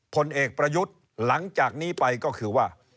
ผลเอกประยุทธ์หลังจากนี้ไปก็คือว่า